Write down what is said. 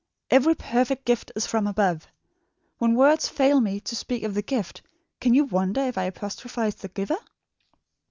'Every perfect gift is from above.' When words fail me to speak of the gift, can you wonder if I apostrophise the Giver?"